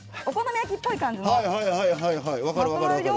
お好み焼きっぽい感じの。